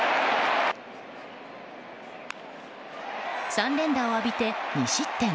３連打を浴びて２失点。